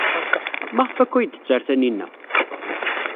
Maɣef akk ay d-tetter Taninna?